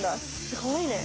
すごいね。